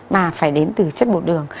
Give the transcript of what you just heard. mà phải đến từ chất bột đường